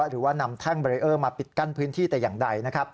หรือว่านำแท่งเบรเออร์มาปิดกั้นพื้นที่แต่อย่างใดนะครับ